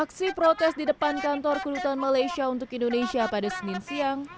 aksi protes di depan kantor kudutan malaysia untuk indonesia pada senin siang